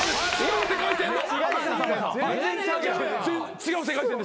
違う世界線の。